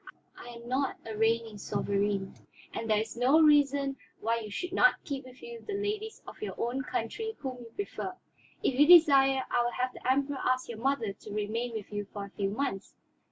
I am not a reigning sovereign, there is no reason why you should not keep with you the ladies of your own country whom you prefer. If you desire, I will have the Emperor ask your mother to remain with you for a few months."